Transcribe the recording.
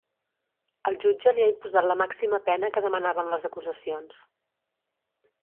El jutge li ha imposat la màxima pena que demanaven les acusacions.